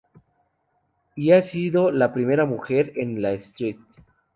Y ha sido la primera mujer en la St.